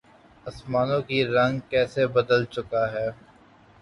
آسمانوں کا رنگ کیسے بدل چکا ہے۔